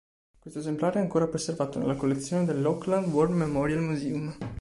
Questo esemplare è ancora preservato nella collezione dell'Auckland War Memorial Museum.